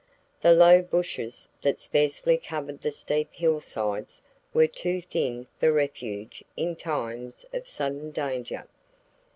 The low bushes that sparsely covered the steep hillsides were too thin for refuge in times of sudden danger.